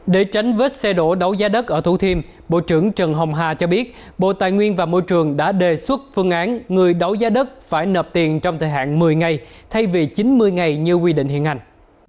để tránh vết xe đổ đấu giá đất ở thủ thiêm bộ trưởng trần hồng hà cho biết bộ tài nguyên và môi trường đã đề xuất phương án người đấu giá đất phải nợp tiền trong thời hạn một mươi ngày thay vì chín mươi ngày như quy định hiện hành